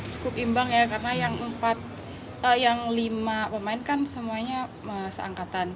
cukup imbang ya karena yang lima pemain kan semuanya seangkatan